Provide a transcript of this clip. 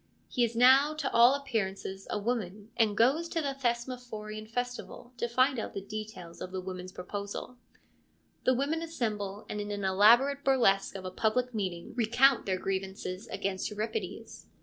He is now to all appearances a woman and goes to the Thesmophorian Festival to find out the details of the women's proposal. The women assemble, and in an elaborate burlesque of a public meeting recount their grievances against Euripides.